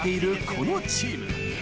このチーム。